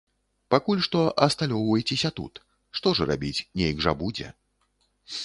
Пакуль што асталёўвайцеся тут, што ж рабіць, нейк жа будзе.